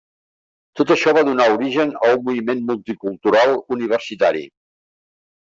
Tot això va donar origen a un moviment multicultural universitari.